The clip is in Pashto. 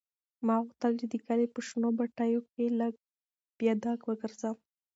ما غوښتل چې د کلي په شنو پټیو کې لږ پیاده وګرځم.